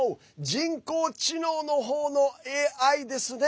人工知能の方のＡＩですね。